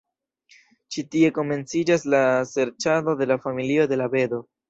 Ĉi tie komenciĝas la serĉado de la familio de la bebo.